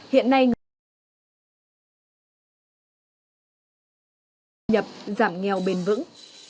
hiện nay ngân hàng đã nhập giảm nghèo bền vững